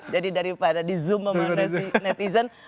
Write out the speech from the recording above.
jadi daripada di zoom memang netizen